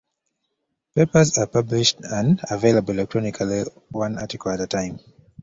Papers are published and available electronically one article at a time.